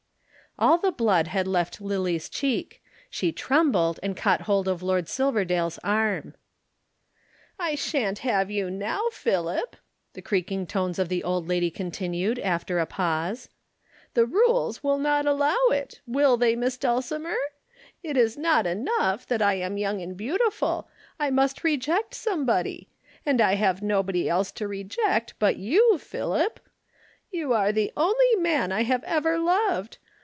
All the blood had left Lillie's cheek she trembled and caught hold of Lord Silverdale's arm. "I shan't have you now, Philip," the creaking tones of the old lady continued after a pause. "The rules will not allow it, will they, Miss Dulcimer? It is not enough that I am young and beautiful, I must reject somebody and I have nobody else to reject but you, Philip. You are the only man I have ever loved.